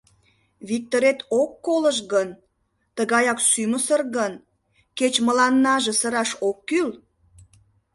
— Виктырет ок колышт гын, тыгаяк сӱмсыр гын, кеч мыланнаже сыраш ок кӱл.